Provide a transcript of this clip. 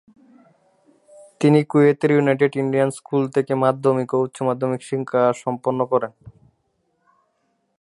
তিনি কুয়েতের United Indian school থেকে মাধ্যমিক ও উচ্চ মাধ্যমিক শিক্ষা সম্পন্ন করেন।